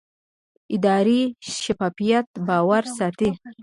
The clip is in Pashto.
اداري شفافیت باور ساتي